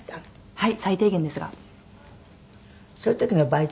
はい。